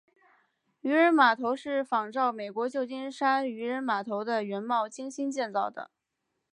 渔人码头是仿照美国旧金山渔人码头的原貌精心建造的。